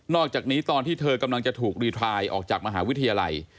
อกจากนี้ตอนที่เธอกำลังจะถูกรีไทน์ออกจากมหาวิทยาลัย